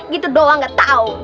gitu doang gak tau